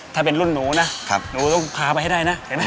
ถ้าเป็นรุ่นหนูนะหนูต้องพาไปให้ได้นะเห็นไหม